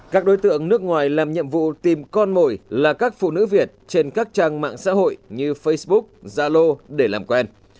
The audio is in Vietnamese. các đối tượng nước ngoài làm nhiệm vụ tìm con mồi là các phụ nữ việt trên các trang mạng xã hội như facebook zalo để làm quen